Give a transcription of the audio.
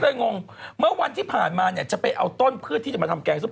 ฉันก็เลยงงเมื่อวันที่ผ่านมาจะไปเอาต้นเพื่อที่จะมาทำแกงส้ม